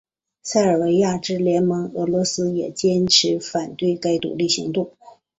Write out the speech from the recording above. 塞尔维亚之盟邦俄罗斯也坚持反对该独立行动。